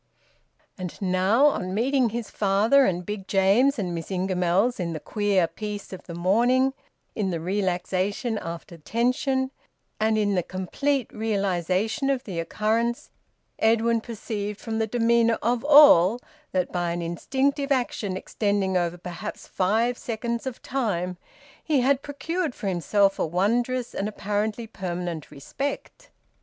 And now, on meeting his father and Big James and Miss Ingamells in the queer peace of the morning, in the relaxation after tension, and in the complete realisation of the occurrence, Edwin perceived from the demeanour of all that, by an instinctive action extending over perhaps five seconds of time, he had procured for himself a wondrous and apparently permanent respect.